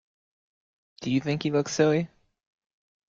Do you think he looks silly?